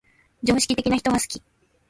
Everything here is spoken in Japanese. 常識的な人が好き